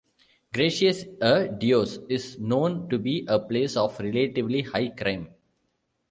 Gracias a Dios is known to be a place of relatively high crime.